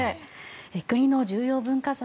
国の重要文化財